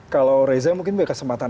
kalau reza mungkin banyak kesempatan